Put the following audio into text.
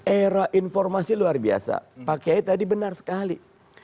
era informasi luar biasa pak kiai tadi benar sekali